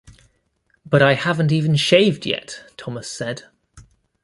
"But I haven't even shaved yet," Thomas said.